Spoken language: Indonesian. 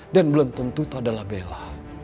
dan belum tentu itu adalah bella